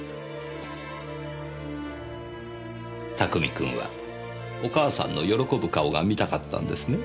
拓海君はお母さんの喜ぶ顔が見たかったんですね？